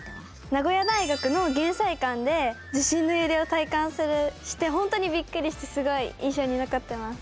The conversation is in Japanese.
名古屋大学の減災館で地震の揺れを体感して本当にびっくりしてすごい印象に残ってます。